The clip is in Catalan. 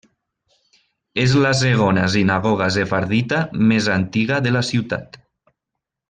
És la segona sinagoga sefardita més antiga de la ciutat.